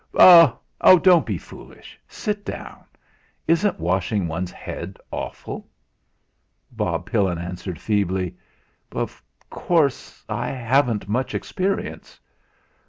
"Oh! oh! Don't be foolish. Sit down. Isn't washing one's head awful?" Bob Pillin answered feebly: "Of course, I haven't much experience."